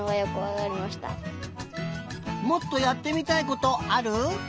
もっとやってみたいことある？